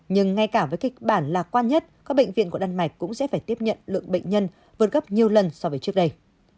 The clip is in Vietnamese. nhưng ngay cả với kịch bản lạc quan nhất các bệnh viện của đan mạch cũng sẽ phải tiếp nhận lượng bệnh nhân vượt gấp nhiều lần so với trước đây